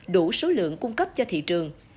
đủ số lượng cung cấp cho thị trường